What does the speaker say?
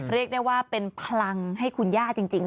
เรียกได้ว่าเป็นพลังให้คุณย่าจริง